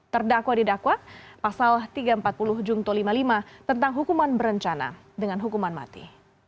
terdakwa didakwa pasal tiga ratus empat puluh junto lima puluh lima tentang hukuman berencana dengan hukuman mati